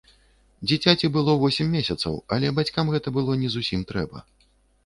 Дзіцяці было восем месяцаў, але бацькам гэта было не зусім трэба.